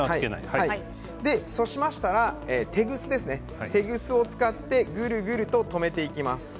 そうしたらテグスを使ってぐるぐると留めていきます。